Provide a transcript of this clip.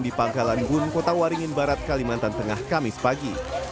di pangkalan bun kota waringin barat kalimantan tengah kamis pagi